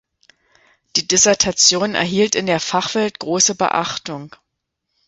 Die Dissertation erhielt in der Fachwelt große Beachtung.